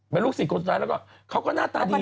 เป็นลูกศิษย์คนสุดท้ายแล้วก็เขาก็หน้าตาดี